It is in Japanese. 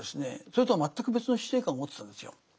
それとは全く別の死生観を持ってたんですよ。